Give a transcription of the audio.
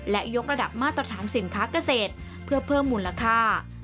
และยกระดับมาตรฐานสินค้าเกษตรเพื่อเพิ่มมูลค่า